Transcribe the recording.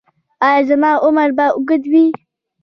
ایا زما عمر به اوږد وي؟